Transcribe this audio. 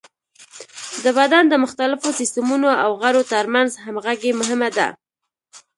د بدن د مختلفو سیستمونو او غړو تر منځ همغږي مهمه ده.